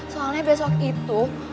soalnya besok itu